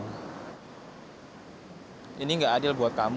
sementara aku udah ngejarin hubungan sama kamu